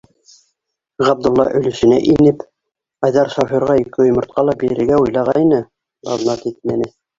Ғабдулла өлөшөнә инеп, Айҙар шофёрға ике йомортҡа ла бирергә уйлағайны, баҙнат итмәне.